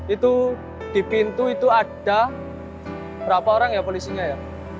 itu di pintu itu ada berapa orang ya polisinya ya